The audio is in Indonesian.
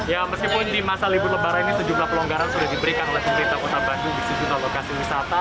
ya meskipun di masa libur lebaran ini sejumlah pelonggaran sudah diberikan oleh pemerintah kota bandung di sejumlah lokasi wisata